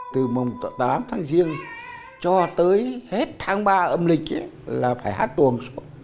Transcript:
từ mùng tám tháng riêng cho tới hết tháng ba âm lịch là phải hát tuồng